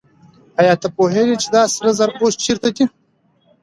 آیا ته پوهېږې چې دا سره زر اوس چېرته دي؟